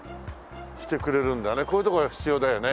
こういうところ必要だよね。